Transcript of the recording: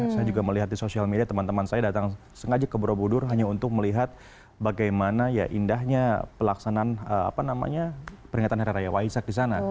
saya juga melihat di sosial media teman teman saya datang sengaja ke borobudur hanya untuk melihat bagaimana ya indahnya pelaksanaan apa namanya peringatan hari raya waisak di sana